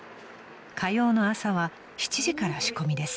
［火曜の朝は７時から仕込みです］